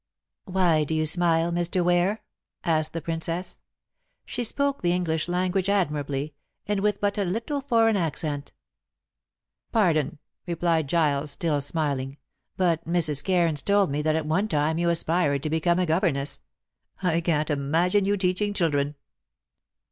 "Why do you smile, Mr. Ware?" asked the Princess. She spoke the English language admirably, and with but a little foreign accent. "Pardon," replied Giles, still smiling, "but Mrs. Cairns told me that at one time you aspired to become a governess. I can't imagine you teaching children."